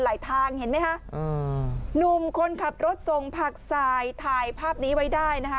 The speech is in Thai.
ทางเห็นไหมฮะหนุ่มคนขับรถส่งผักสายถ่ายภาพนี้ไว้ได้นะคะ